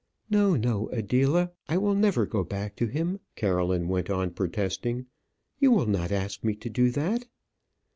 "No, no, Adela, I will never go back to him." Caroline went on protesting; "you will not ask me to do that?"